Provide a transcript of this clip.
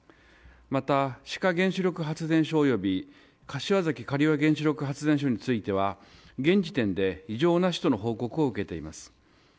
また、志賀原子力発電所および柏崎刈羽原子力発電所については、現時点で異常なしとの報告を受けています。